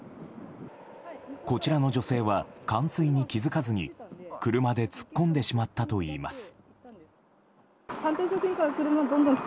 こちらの女性は冠水に気づかずに車で突っ込んでしまったといいます。